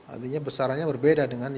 artinya besarannya berbeda dengan yang